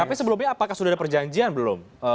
tapi sebelumnya apakah sudah ada perjanjian belum